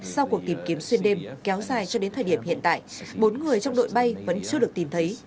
sau cuộc tìm kiếm xuyên đêm kéo dài cho đến thời điểm hiện tại bốn người trong đội bay vẫn chưa được tìm thấy